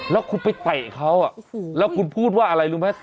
แล้วคุณไปเตะเขาแล้วคุณพูดว่าอะไรรู้ไหม